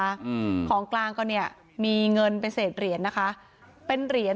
อืมของกลางก็เนี้ยมีเงินเป็นเศษเหรียญนะคะเป็นเหรียญ